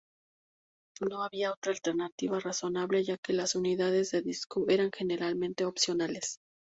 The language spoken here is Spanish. No había otra alternativa razonable ya que las unidades de disco eran generalmente opcionales.